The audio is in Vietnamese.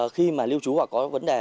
khi mà lưu trú hoặc có vấn đề